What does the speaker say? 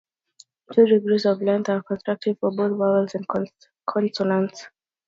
Two degrees of length are contrastive for both vowels and consonants.